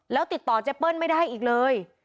แล้วติดต่อเจเปิ้ลไม่ได้อีกเลย